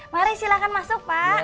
mari silahkan masuk pak